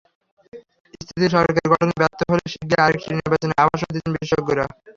স্থিতিশীল সরকার গঠনে ব্যর্থ হলে শিগগিরই আরেকটি নির্বাচনের আভাসও দিচ্ছেন বিশেষজ্ঞরা।